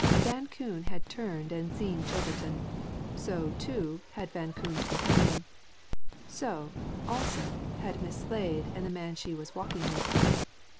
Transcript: Van Koon had turned and seen Chilverton. So, too, had Van Koon's companion. So, also, had Miss Slade and the man she was walking with.